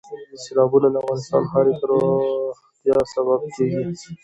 سیلابونه د افغانستان د ښاري پراختیا سبب کېږي.